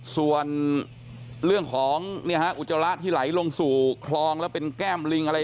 ส่วนเรื่องของอุจจาระที่ไหลลงสู่คลองแล้วเป็นแก้มลิงอะไร